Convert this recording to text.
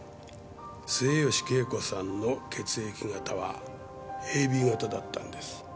末吉恵子さんの血液型はＡＢ型だったんです。